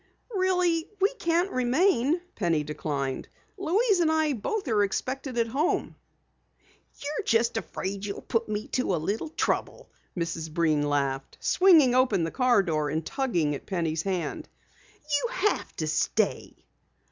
"Really we can't remain," Penny declined. "Louise and I both are expected at home." "You're just afraid you'll put me to a little trouble," Mrs. Breen laughed, swinging open the car door and tugging at Penny's hand. "You have to stay."